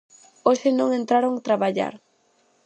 Hoxe non entraron traballar.